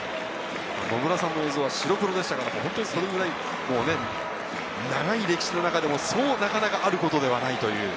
野村さんの映像は白黒でしたから、それくらい長い歴史の中でも、なかなかあることではない。